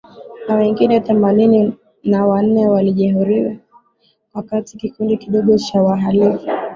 na wengine themanini na wanne walijeruhiwa wakati kikundi kidogo cha wahalifu